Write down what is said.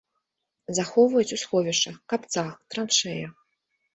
Захоўваюць у сховішчах, капцах, траншэях.